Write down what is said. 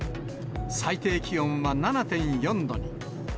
最低気温は７．４度に。